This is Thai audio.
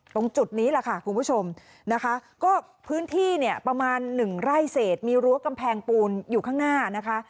ตรงจุดนี้ล่ะค่ะคุณผู้ชมก็พื้นที่ประมาณ๑ไร่เศษมีรั้วกำแพงปูนอยู่ข้างหน้านะคะ